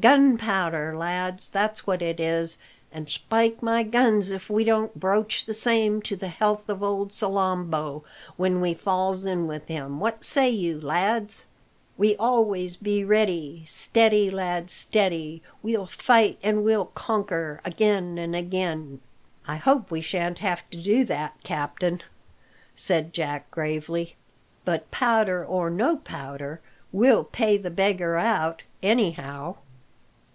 Gunpowder, lads, that's what it is; and spike my guns if we don't broach the same to the health of old Salambo when we falls in with him. What say you, lads? "We always be ready, Steady, lads, steady; We'll fight an' we'll conquer agin an' agin." "I hope we shan't have to do that, captain," said Jack gravely. "But powder or no powder, we'll pay the beggar out, anyhow."